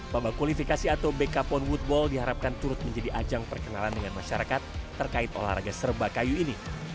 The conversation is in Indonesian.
babak kualifikasi atau beka pon woodball diharapkan turut menjadi ajang perkenalan dengan masyarakat terkait olahraga serba kayu ini